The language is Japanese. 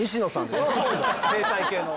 生態系の。